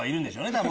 多分。